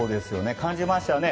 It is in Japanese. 感じましたよね。